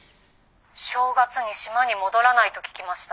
正月に島に戻らないと聞きました。